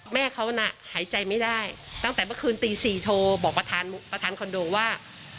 แม่เขาน่ะหายใจไม่ได้ตั้งแต่เมื่อคืนตี๔โทรบอกประธานคอนโดว่า